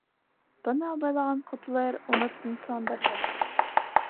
Быны абайлаған Ҡотлояр уны тынысландырҙы.